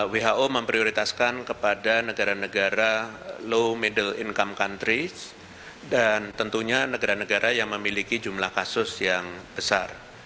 who memprioritaskan kepada negara negara low middle income countries dan tentunya negara negara yang memiliki jumlah kasus yang besar